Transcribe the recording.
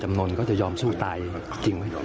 นนก็จะยอมสู้ตายจริงไหม